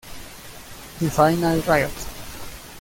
The Final Riot!